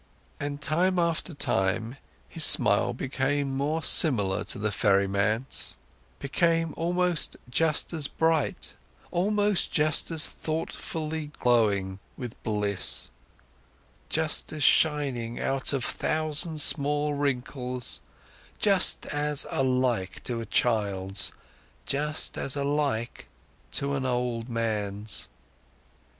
And time after time, his smile became more similar to the ferryman's, became almost just as bright, almost just as thoroughly glowing with bliss, just as shining out of thousand small wrinkles, just as alike to a child's, just as alike to an old man's.